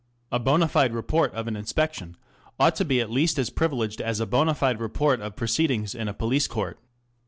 A bond fide report of an inspec tion ought to be at least as privileged as a bond fide report of proceedings in a police court.